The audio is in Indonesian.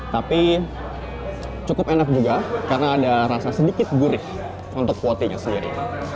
tapi cukup enak juga karena ada rasa sedikit gurih untuk kuotinya sendiri